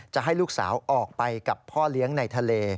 จะให้ลูกสาวออกไปกับพ่อเลี้ยงในทะเล